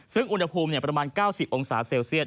ซึ่งอุณหภูมิประมาณ๙๐องศาเซลเซียต